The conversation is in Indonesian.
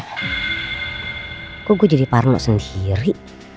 kenapa aku jadi parno sendiri